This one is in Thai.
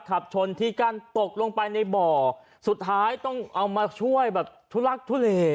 ขับชนที่กั้นตกลงไปในบ่อสุดท้ายต้องเอามาช่วยแบบทุลักทุเล